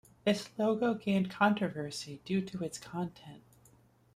This logo gained controversy due to its content.